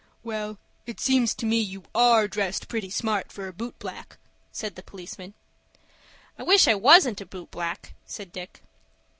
"Well, it seems to me you are dressed pretty smart for a boot black," said the policeman. "I wish I wasn't a boot black," said Dick.